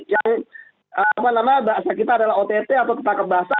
yang apa namanya bahasa kita adalah ott atau tetangga basah